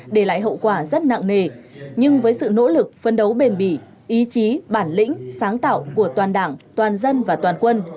để lại hậu quả rất nặng nề nhưng với sự nỗ lực phân đấu bền bỉ ý chí bản lĩnh sáng tạo của toàn đảng toàn dân và toàn quân